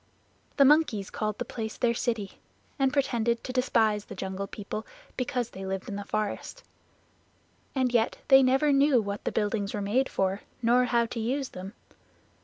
The monkeys called the place their city, and pretended to despise the Jungle People because they lived in the forest. And yet they never knew what the buildings were made for nor how to use them.